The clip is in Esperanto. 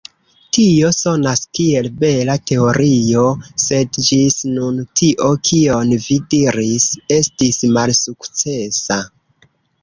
Tio sonas kiel bela teorio, sed ĝis nun tio kion vi diris estis malsukcesa.